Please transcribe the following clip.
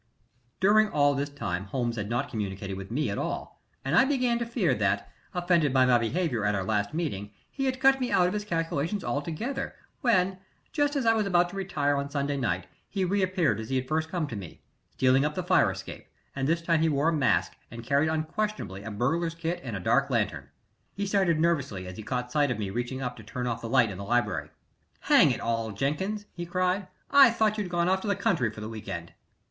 During all this time Holmes had not communicated with me at all, and I began to fear that, offended by my behavior at our last meeting, he had cut me out of his calculations altogether, when, just as I was about to retire on Sunday night, he reappeared as he had first come to me stealing up the fire escape; and this time he wore a mask, and carried unquestionably a burglar's kit and a dark lantern. He started nervously as he caught sight of me reaching up to turn off the light in the library. "Hang it call, Jenkins!" he cried. "I thought you'd gone off to the country for the week end."